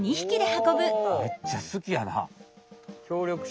めっちゃすきやな？